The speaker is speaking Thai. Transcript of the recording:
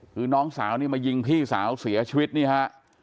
คือน้องสาวนี่มายิงพี่สาวเสียชีวิตนี่ฮะ